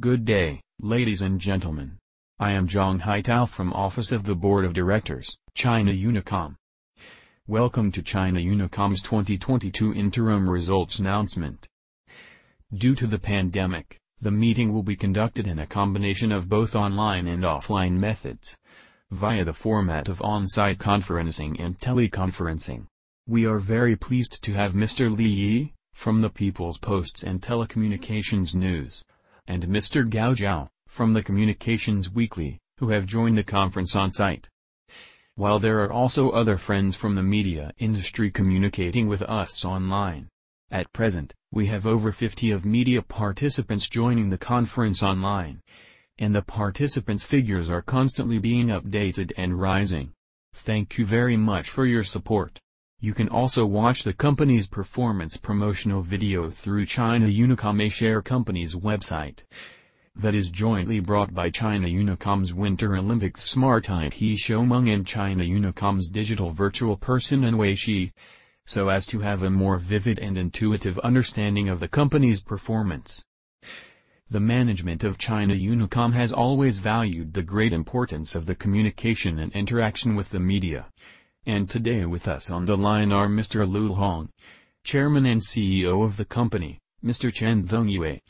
Good day, ladies and gentlemen. I am Zhang Haitao from Office of the Board of Directors, China Unicom. Welcome to China Unicom's 2022 interim results announcement. Due to the pandemic, the meeting will be conducted in a combination of both online and offline methods via the format of on-site conferencing and teleconferencing. We are very pleased to have Mr. Li Yi from the People's Posts and Telecommunications News, and Mr. Gao Zhao from the Communications Weekly, who have joined the conference on site. While there are also other friends from the media industry communicating with us online. At present, we have over 50 media participants joining the conference online, and the participants figures are constantly being updated and rising. Thank you very much for your support. You can also watch the company's performance promotional video through China Unicom A Share Company's website that is jointly brought by China Unicom's Winter Olympics Smart IT Xiaomeng and China Unicom's Digital Virtual Person An Weixi, so as to have a more vivid and intuitive understanding of the company's performance. The management of China Unicom has always valued the great importance of the communication and interaction with the media. Today with us on the line are Mr. Liu Liehong, Chairman and CEO of the company; Mr. Chen Zhongyue,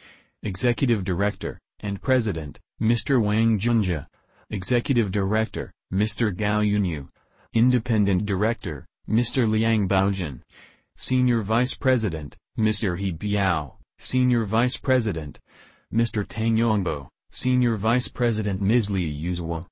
Executive Director and President; Mr. Wang Junzhi, Executive Director; Mr. Gao Yunhu, Independent Director; Mr. Liang Baojun, Senior Vice President; Mr. He Biao, Senior Vice President; Mr. Tang Yongbo, Senior Vice President; Ms. Li Yuzhuo,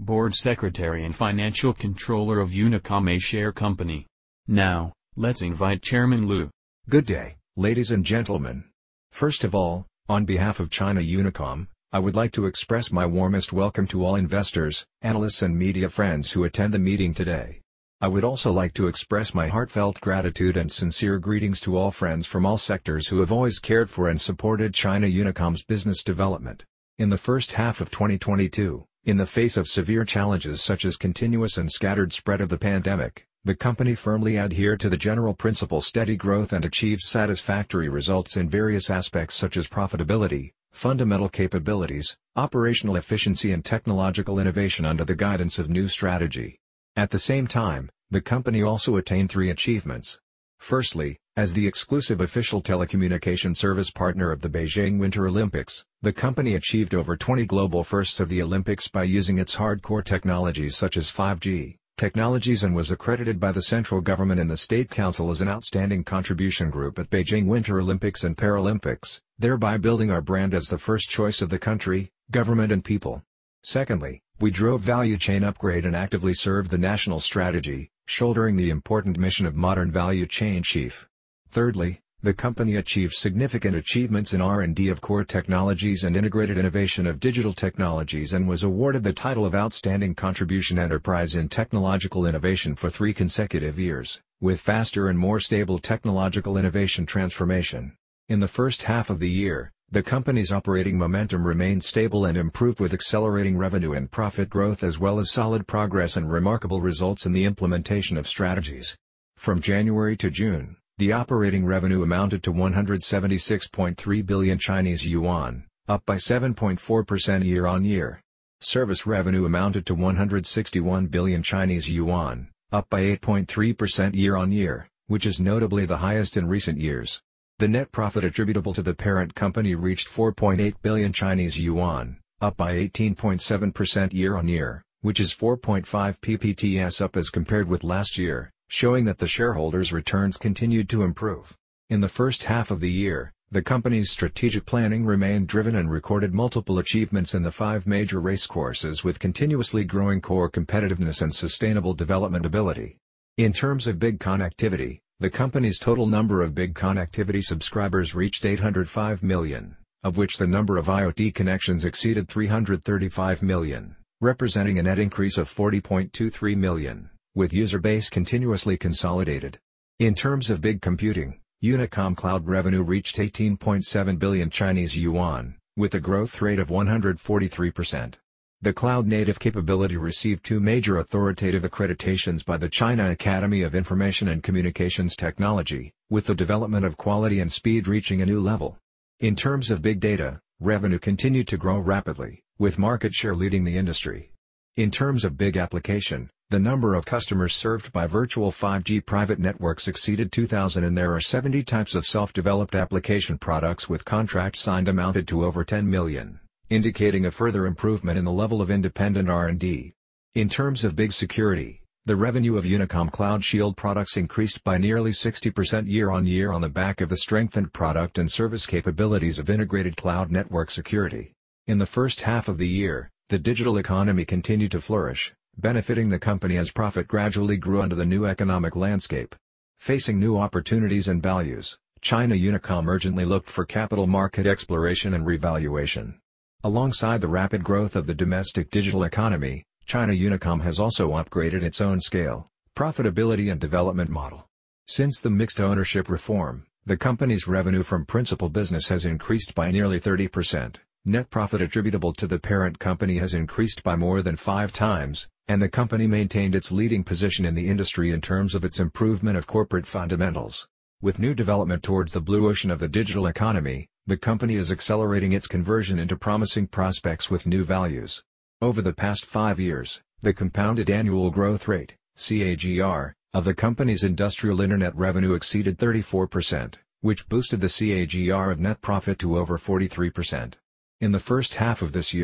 Board Secretary and Financial Controller of Unicom A Share Company. Now, let's invite Chairman Liu. Good day, ladies and gentlemen. First of all, on behalf of China Unicom, I would like to express my warmest welcome to all investors, analysts, and media friends who attend the meeting today. I would also like to express my heartfelt gratitude and sincere greetings to all friends from all sectors who have always cared for and supported China Unicom's business development. In the first half of 2022, in the face of severe challenges such as continuous and scattered spread of the pandemic, the company firmly adhered to the general principle steady growth and achieved satisfactory results in various aspects such as profitability, fundamental capabilities, operational efficiency, and technological innovation under the guidance of new strategy. At the same time, the company also attained three achievements. Firstly, as the exclusive official telecommunication service partner of the Beijing Winter Olympics, the company achieved over 20 global firsts of the Olympics by using its hardcore technologies such as 5G technologies and was accredited by the Central Government and the State Council as an Outstanding Contribution Group at Beijing Winter Olympics and Paralympics, thereby building our brand as the first choice of the country, government, and people. Secondly, we drove value chain upgrade and actively served the national strategy, shouldering the important mission of Modern Value Chain Chief. Thirdly, the company achieved significant achievements in R&D of core technologies and integrated innovation of digital technologies and was awarded the title of Outstanding Contribution Enterprise in technological innovation for three consecutive years, with faster and more stable technological innovation transformation. In the first half of the year, the company's operating momentum remained stable and improved with accelerating revenue and profit growth, as well as solid progress and remarkable results in the implementation of strategies. From January to June, the operating revenue amounted to 176.3 billion Chinese yuan, up by 7.4% year-on-year. Service revenue amounted to 161 billion Chinese yuan, up by 8.3% year-on-year, which is notably the highest in recent years. The net profit attributable to the parent company reached 4.8 billion Chinese yuan, up by 18.7% year-on-year, which is 4.5 percentage points up as compared with last year, showing that the shareholders' returns continued to improve. In the first half of the year, the company's strategic planning remained driven and recorded multiple achievements in the five major race courses with continuously growing core competitiveness and sustainable development ability. In terms of big connectivity, the company's total number of big connectivity subscribers reached 805 million, of which the number of IoT connections exceeded 335 million, representing a net increase of 40.23 million, with user base continuously consolidated. In terms of big computing, Unicom Cloud revenue reached 18.7 billion Chinese yuan, with a growth rate of 143%. The cloud-native capability received two major authoritative accreditations by the China Academy of Information and Communications Technology, with the development of quality and speed reaching a new level. In terms of big data, revenue continued to grow rapidly with market share leading the industry. In terms of Big Application, the number of customers served by Virtual 5G Private Networks exceeded 2,000, and there are 70 types of self-developed application products with contracts signed amounted to over 10 million, indicating a further improvement in the level of independent R&D. In terms of Big Security, the revenue of Unicom Cloud Shield products increased by nearly 60% year-on-year on the back of the strengthened product and service capabilities of integrated cloud network security. In the first half of the year, the Digital Economy continued to flourish, benefiting the company as profit gradually grew under the new economic landscape. Facing new opportunities and values, China Unicom urgently looked for capital market exploration and revaluation. Alongside the rapid growth of the domestic Digital Economy, China Unicom has also upgraded its own scale, profitability, and development model. Since the mixed-ownership reform, the company's revenue from principal business has increased by nearly 30%, net profit attributable to the parent company has increased by more than 5x, and the company maintained its leading position in the industry in terms of its improvement of corporate fundamentals. With new development towards the blue ocean of the Digital Economy, the company is accelerating its conversion into promising prospects with new values. Over the past five years, the compounded annual growth rate, CAGR, of the company's industrial Internet revenue exceeded 34%, which boosted the CAGR of net profit to over 43%. In the first half of this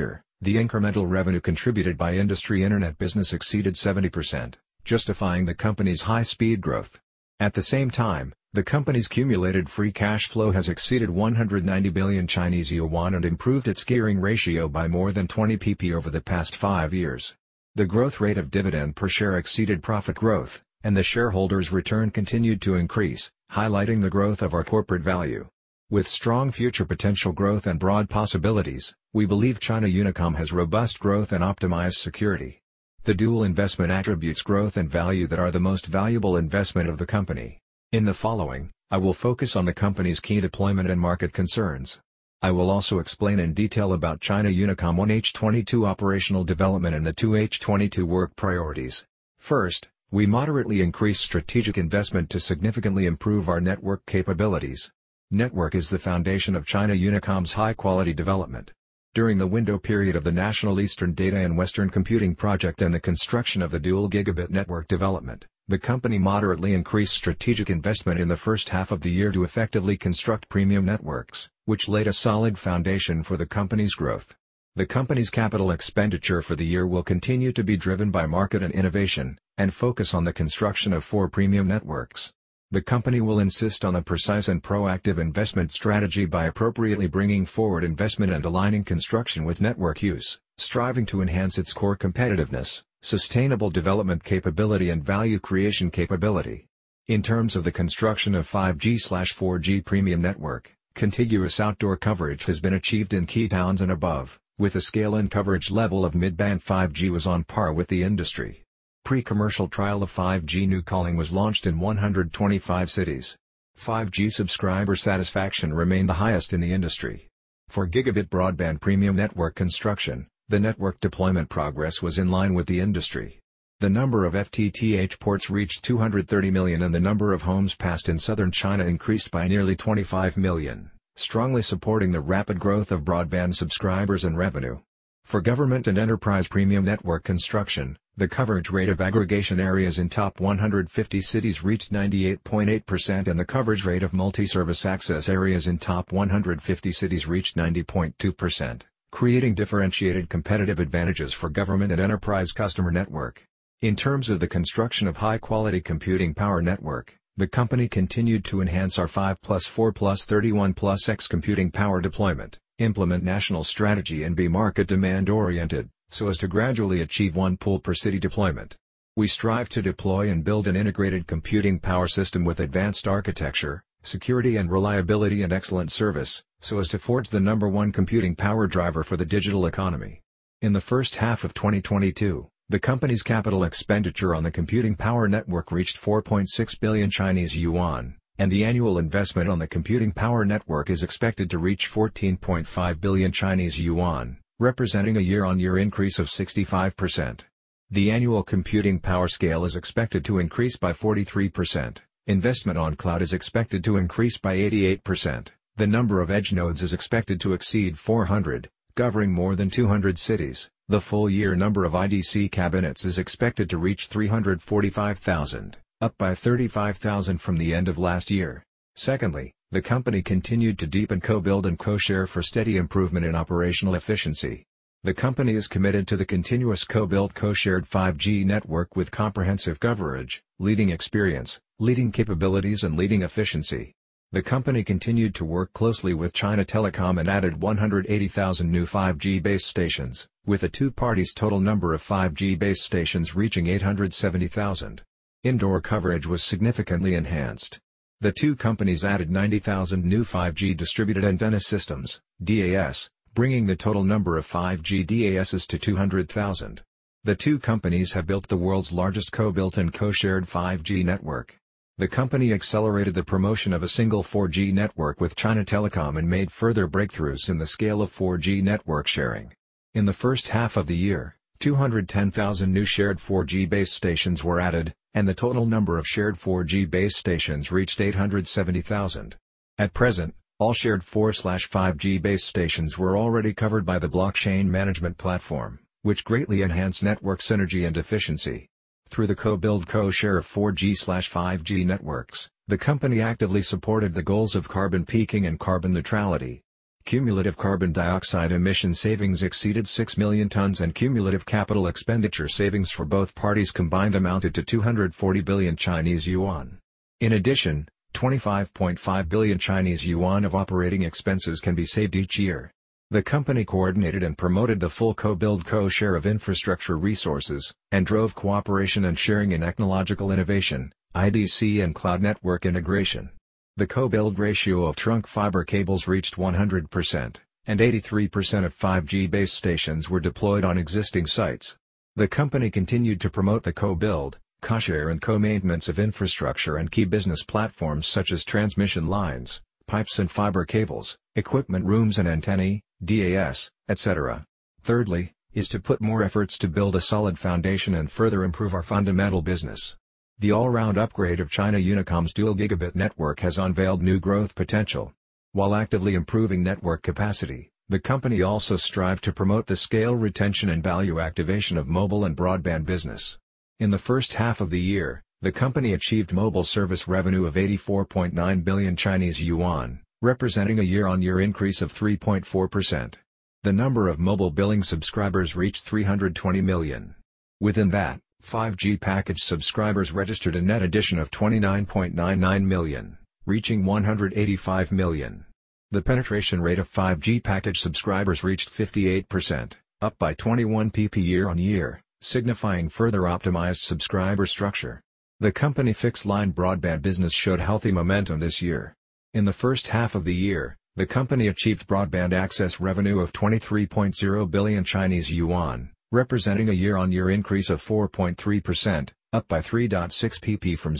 year, the incremental revenue contributed by industry Internet business exceeded 70%, justifying the company's high speed growth. At the same time, the company's cumulated free cash flow has exceeded 190 billion Chinese yuan and improved its gearing ratio by more than 20 percentage points over the past five years. The growth rate of dividend per share exceeded profit growth, and the shareholders return continued to increase, highlighting the growth of our corporate value. With strong future potential growth and broad possibilities, we believe China Unicom has robust growth and optimized security. The dual investment attributes growth and value that are the most valuable investment of the company. In the following, I will focus on the company's key deployment and market concerns. I will also explain in detail about China Unicom H1 2022 operational development and the H2 2022 work priorities. First, we moderately increased strategic investment to significantly improve our network capabilities. Network is the foundation of China Unicom's high-quality development. During the window period of the National Eastern Data and Western Computing project and the construction of the Dual Gigabit Network development, the company moderately increased strategic investment in the first half of the year to effectively construct premium networks, which laid a solid foundation for the company's growth. The company's capital expenditure for the year will continue to be driven by market and innovation and focus on the construction of four premium networks. The company will insist on a precise and proactive investment strategy by appropriately bringing forward investment and aligning construction with network use, striving to enhance its core competitiveness, sustainable development capability, and value creation capability. In terms of the construction of 5G/4G premium network, contiguous outdoor coverage has been achieved in key towns and above, with a scale and coverage level of mid-band 5G was on par with the industry. Pre-commercial trial of 5G New Calling was launched in 125 cities. 5G subscriber satisfaction remained the highest in the industry. For gigabit broadband premium network construction, the network deployment progress was in line with the industry. The number of FTTH ports reached 230 million, and the number of homes passed in Southern China increased by nearly 25 million, strongly supporting the rapid growth of broadband subscribers and revenue. For government and enterprise premium network construction, the coverage rate of aggregation areas in top 150 cities reached 98.8% and the coverage rate of multi-service access areas in top 150 cities reached 90.2%, creating differentiated competitive advantages for government and enterprise customer network. In terms of the construction of high-quality computing power network, the company continued to enhance our 5+4+31+X computing power deployment, implement national strategy and be market demand-oriented, so as to gradually achieve one pool per city deployment. We strive to deploy and build an integrated computing power system with advanced architecture, security and reliability, and excellent service, so as to forge the number one computing power driver for the Digital Economy. In the first half of 2022, the company's capital expenditure on the computing power network reached 4.6 billion Chinese yuan, and the annual investment on the computing power network is expected to reach 14.5 billion Chinese yuan, representing a year-on-year increase of 65%. The annual computing power scale is expected to increase by 43%. Investment on cloud is expected to increase by 88%. The number of edge nodes is expected to exceed 400, covering more than 200 cities. The full year number of IDC cabinets is expected to reach 345,000, up by 35,000 from the end of last year. Secondly, the company continued to deepen co-build and co-share for steady improvement in operational efficiency. The company is committed to the continuous co-built, co-shared 5G network with comprehensive coverage, leading experience, leading capabilities, and leading efficiency. The company continued to work closely with China Telecom and added 180,000 new 5G base stations, with the two parties' total number of 5G base stations reaching 870,000. Indoor coverage was significantly enhanced. The two companies added 90,000 new 5G distributed antenna systems, DASs, bringing the total number of 5G DASs to 200,000. The two companies have built the world's largest co-built and co-shared 5G network. The company accelerated the promotion of a single 4G network with China Telecom and made further breakthroughs in the scale of 4G network sharing. In the first half of the year, 210,000 new shared 4G base stations were added, and the total number of shared 4G base stations reached 870,000. At present, all shared 4G/5G base stations were already covered by the blockchain management platform, which greatly enhanced network synergy and efficiency. Through the co-build co-share of 4G/5G networks, the company actively supported the goals of carbon peaking and carbon neutrality. Cumulative carbon dioxide emission savings exceeded 6 million tons, and cumulative capital expenditure savings for both parties combined amounted to 240 billion Chinese yuan. In addition, 25.5 billion Chinese yuan of operating expenses can be saved each year. The company coordinated and promoted the full co-build co-share of infrastructure resources and drove cooperation and sharing in technological innovation, IDC, and cloud network integration. The co-build ratio of trunk fiber cables reached 100%, and 83% of 5G base stations were deployed on existing sites. The company continued to promote the co-build, co-share, and co-maintenance of infrastructure and key business platforms such as transmission lines, pipes and fiber cables, equipment rooms and antennae, DAS, et cetera. Thirdly, is to put more efforts to build a solid foundation and further improve our fundamental business. The all-round upgrade of China Unicom's dual gigabit network has unveiled new growth potential. While actively improving network capacity, the company also strived to promote the scale retention and value activation of mobile and broadband business. In the first half of the year, the company achieved mobile service revenue of 84.9 billion Chinese yuan, representing a year-on-year increase of 3.4%. The number of mobile billing subscribers reached 320 million. Within that, 5G package subscribers registered a net addition of 29.99 million, reaching 185 million. The penetration rate of 5G package subscribers reached 58%, up by 21 percentage points year-on-year, signifying further optimized subscriber structure. The company's fixed-line broadband business showed healthy momentum this year. In the first half of the year, the company achieved broadband access revenue of 23.0 billion Chinese yuan, representing a year-on-year increase of 4.3%, up by 3.6 percentage points from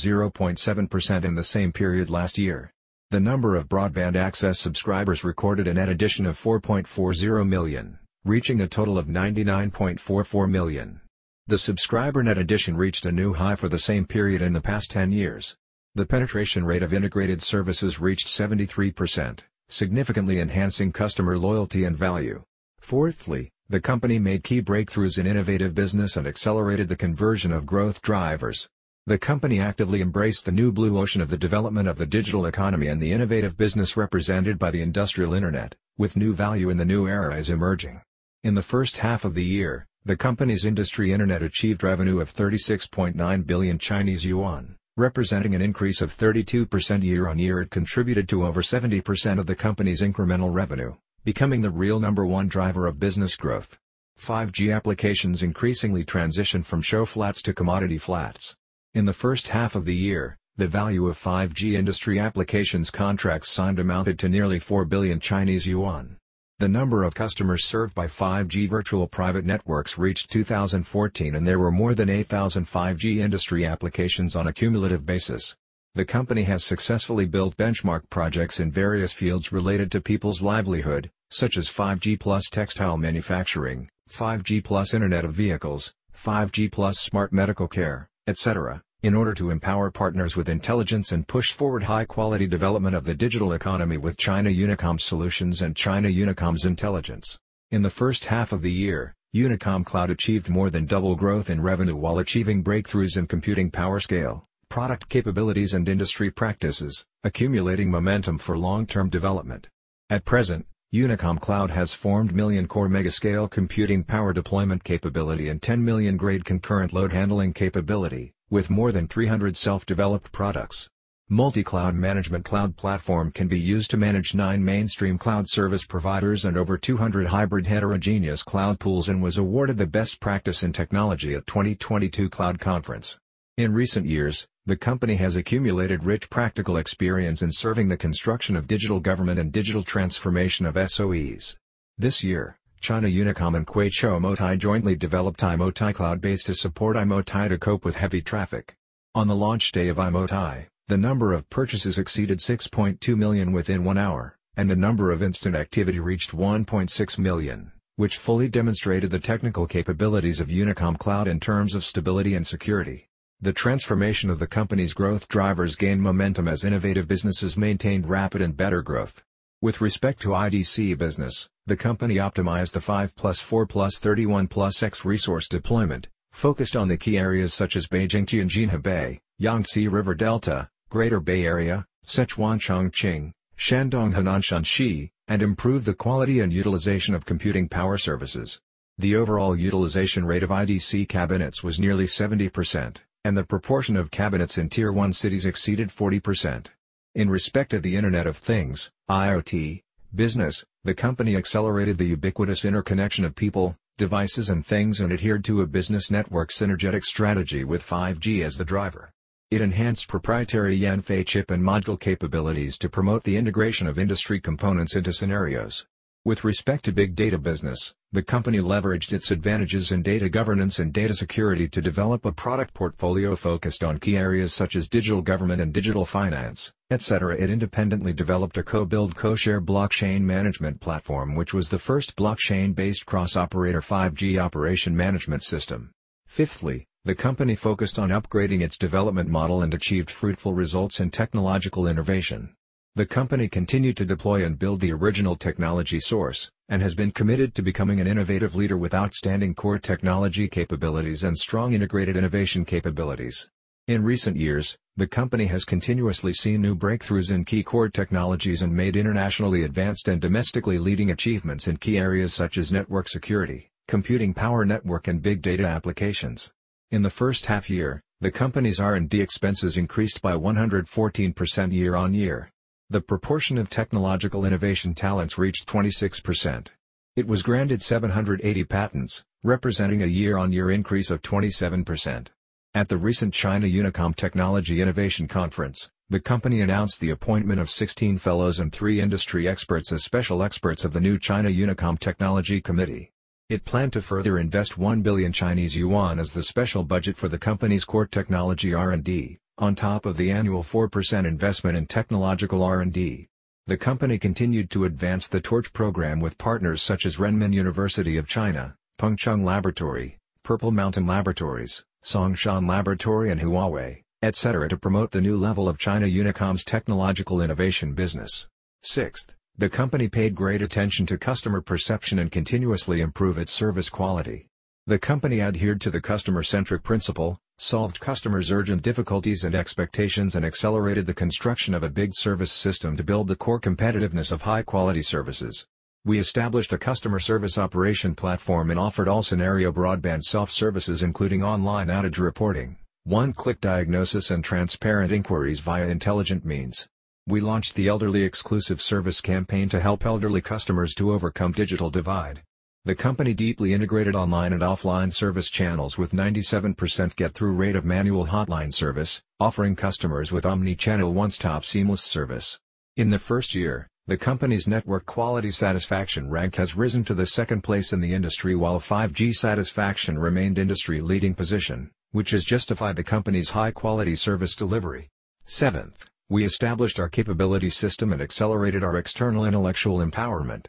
0.7% in the same period last year. The number of broadband access subscribers recorded a net addition of 4.40 million, reaching a total of 99.44 million. The subscriber net addition reached a new high for the same period in the past 10 years. The penetration rate of integrated services reached 73%, significantly enhancing customer loyalty and value. Fourthly, the company made key breakthroughs in innovative business and accelerated the conversion of growth drivers. The company actively embraced the new blue ocean of the development of the Digital Economy and the innovative business represented by the industrial internet with new value in the new era is emerging. In the first half of the year, the company's industrial internet achieved revenue of 36.9 billion Chinese yuan, representing an increase of 32% year-on-year. It contributed to over 70% of the company's incremental revenue, becoming the real number one driver of business growth. 5G applications increasingly transitioned from show flats to commodity flats. In the first half of the year, the value of 5G industry applications contracts signed amounted to nearly 4 billion Chinese yuan. The number of customers served by 5G virtual private networks reached 2,014, and there were more than 1,000 5G industry applications on a cumulative basis. The company has successfully built benchmark projects in various fields related to people's livelihood, such as 5G plus textile manufacturing, 5G plus Internet of Vehicles, 5G plus smart medical care, et cetera, in order to empower partners with intelligence and push forward high-quality development of the Digital Economy with China Unicom solutions and China Unicom's intelligence. In the first half of the year, Unicom Cloud achieved more than double growth in revenue while achieving breakthroughs in computing power scale, product capabilities and industry practices, accumulating momentum for long-term development. At present, Unicom Cloud has formed million-core mega scale computing power deployment capability and 10-million grade concurrent load handling capability with more than 300 self-developed products. Multi-cloud management cloud platform can be used to manage nine mainstream cloud service providers and over 200 hybrid heterogeneous cloud pools, and was awarded the best practice in technology at 2022 Cloud Conference. In recent years, the company has accumulated rich practical experience in serving the construction of digital government and digital transformation of SOEs. This year, China Unicom and Kweichow Moutai jointly developed iMoutai Cloud Base to support iMoutai to cope with heavy traffic. On the launch day of iMoutai, the number of purchases exceeded 6.2 million within one hour, and the number of instant activity reached 1.6 million, which fully demonstrated the technical capabilities of Unicom Cloud in terms of stability and security. The transformation of the company's growth drivers gained momentum as innovative businesses maintained rapid and better growth. With respect to IDC business, the company optimized the 5+4+31+X resource deployment, focused on the key areas such as Beijing-Tianjin-Hebei, Yangtze River Delta, Greater Bay Area, Sichuan-Chongqing, Shandong-Henan-Shanxi, and improved the quality and utilization of computing power services. The overall utilization rate of IDC cabinets was nearly 70%, and the proportion of cabinets in tier one cities exceeded 40%. In respect of the Internet of Things, IoT business, the company accelerated the ubiquitous interconnection of people, devices, and things, and adhered to a business network synergetic strategy, with 5G as the driver. It enhanced proprietary Yanfei chip and module capabilities to promote the integration of industry components into scenarios. With respect to big data business, the company leveraged its advantages in data governance and data security to develop a product portfolio focused on key areas such as digital government and digital finance, et cetera. It independently developed a co-build, co-share blockchain management platform, which was the first blockchain-based cross-operator 5G operation management system. Fifthly, the company focused on upgrading its development model and achieved fruitful results in technological innovation. The company continued to deploy and build the original technology source, and has been committed to becoming an innovative leader with outstanding core technology capabilities and strong integrated innovation capabilities. In recent years, the company has continuously seen new breakthroughs in key core technologies and made internationally advanced and domestically leading achievements in key areas such as network security, computing power network, and big data applications. In the first half year, the company's R&D expenses increased by 114% year-over-year. The proportion of technological innovation talents reached 26%. It was granted 780 patents, representing a year-over-year increase of 27%. At the recent China Unicom Technology Innovation Conference, the company announced the appointment of 16 fellows and 3 industry experts as special experts of the new China Unicom Technology Committee. It planned to further invest 1 billion Chinese yuan as the special budget for the company's core technology R&D on top of the annual 4% investment in technological R&D. The company continued to advance the Torch Program with partners such as Renmin University of China, Pengcheng Laboratory, Purple Mountain Laboratories, Songshan Laboratory and Huawei, et cetera, to promote the new level of China Unicom's technological innovation business. Sixth, the company paid great attention to customer perception and continuously improve its service quality. The company adhered to the customer-centric principle, solved customers' urgent difficulties and expectations, and accelerated the construction of a big service system to build the core competitiveness of high-quality services. We established a customer service operation platform and offered all-scenario broadband self-services, including online outage reporting, one-click diagnosis and transparent inquiries via intelligent means. We launched the Elderly Exclusive Service campaign to help elderly customers to overcome digital divide. The company deeply integrated online and offline service channels with 97% get-through rate of manual hotline service, offering customers with omni-channel one-stop seamless service. In the first year, the company's network quality satisfaction rank has risen to the second place in the industry while 5G satisfaction remained industry-leading position, which has justified the company's high-quality service delivery. Seventh, we established our capability system and accelerated our external intellectual empowerment.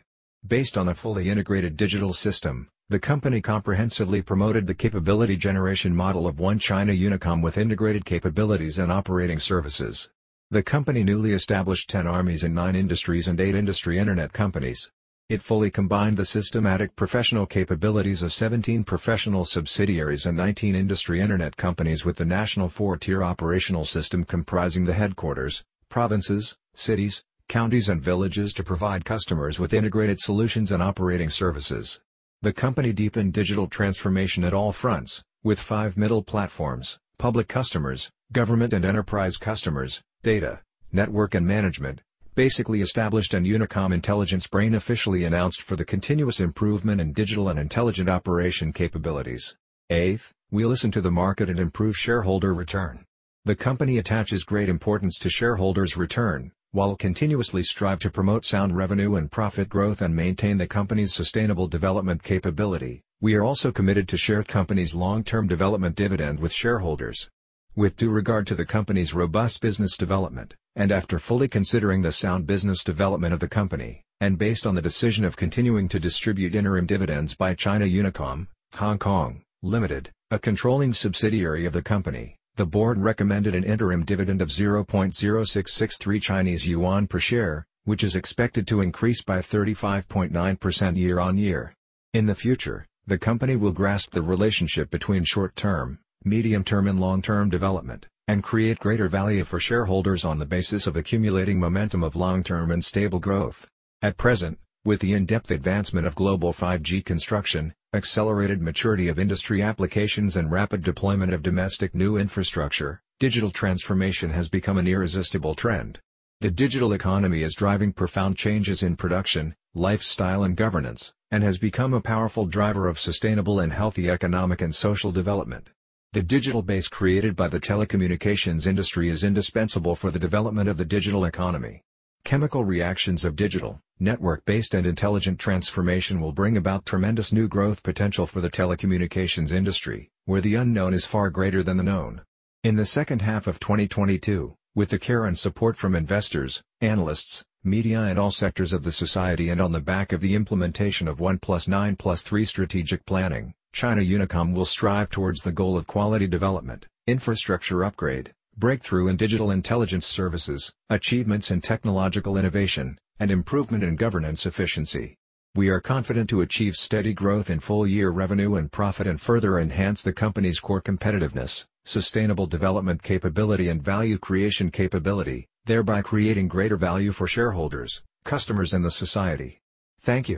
Based on a fully integrated digital system, the company comprehensively promoted the capability generation model of one China Unicom with integrated capabilities and operating services. The company newly established 10 armies in nine industries and eight industry internet companies. It fully combined the systematic professional capabilities of 17 professional subsidiaries and 19 industry internet companies with the national four-tier operational system comprising the headquarters, provinces, cities, counties and villages to provide customers with integrated solutions and operating services. The company deepened digital transformation at all fronts with five middle platforms, public customers, government and enterprise customers, data, network and management basically established and Unicom Intelligence Brain officially announced for the continuous improvement in digital and intelligent operation capabilities. Eighth, we listen to the market and improve shareholder return. The company attaches great importance to shareholders' return while continuously strive to promote sound revenue and profit growth and maintain the company's sustainable development capability. We are also committed to share company's long-term development dividend with shareholders. With due regard to the company's robust business development and after fully considering the sound business development of the company and based on the decision of continuing to distribute interim dividends by China Unicom (Hong Kong) Limited, a controlling subsidiary of the company, the board recommended an interim dividend of 0.0663 Chinese yuan per share, which is expected to increase by 35.9% year-on-year. In the future, the company will grasp the relationship between short-term, medium-term, and long-term development and create greater value for shareholders on the basis of accumulating momentum of long-term and stable growth. At present, with the in-depth advancement of global 5G construction, accelerated maturity of industry applications and rapid deployment of domestic new infrastructure, digital transformation has become an irresistible trend. The Digital Economy is driving profound changes in production, lifestyle, and governance and has become a powerful driver of sustainable and healthy economic and social development. The digital base created by the telecommunications industry is indispensable for the development of the Digital Economy. Chemical reactions of digital, network-based and intelligent transformation will bring about tremendous new growth potential for the telecommunications industry, where the unknown is far greater than the known. In the second half of 2022, with the care and support from investors, analysts, media and all sectors of the society and on the back of the implementation of 1+9+3 strategic planning, China Unicom will strive towards the goal of quality development, infrastructure upgrade, breakthrough in digital intelligence services, achievements in technological innovation, and improvement in governance efficiency. We are confident to achieve steady growth in full-year revenue and profit and further enhance the company's core competitiveness, sustainable development capability, and value creation capability, thereby creating greater value for shareholders, customers, and the society. Thank you.